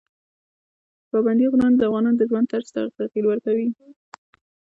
پابندي غرونه د افغانانو د ژوند طرز ته تغیر ورکوي.